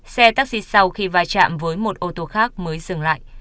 xe taxi sau khi va chạm với một ô tô khác mới dừng lại